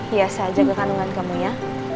iya saya jaga kandungan kamu ya